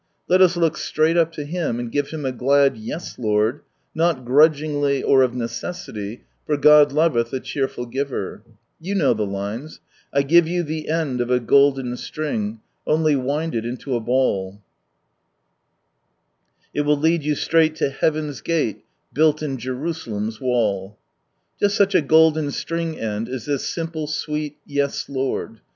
Let us look straight up to Him, and give Him a glad " Yes, Lord I " not grudgingly or of necessity, for God loveth a cheerful giver. You know the lines —"/ ght you the end of a goUm 'Iring, Only Uiiii.l it inta a hall. J will lioii you siraigh! to Heavtn's gaU Buitl iu /iriiialeni's tual/." Just such a golden string end is this simple, sweet, " Va, Lord."